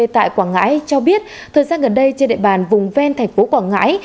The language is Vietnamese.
tại quảng ngãi cho biết thời gian gần đây trên địa bàn vùng ven thành phố quảng ngãi